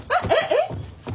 えっ？